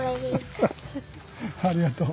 ありがとう。